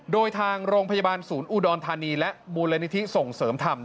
โดยทางโรงพยาบาลศูนย์อุดรธานีและมูลนิธิส่งเสริมธรรม